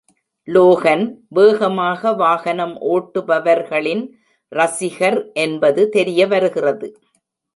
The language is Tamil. லோகன், வேகமாக வாகனம் ஓட்டுபவர்களின் ரசிகர் என்பது தெரிய வருகிறது.